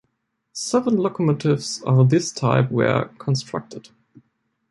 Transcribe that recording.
Seven locomotives of this type were constructed.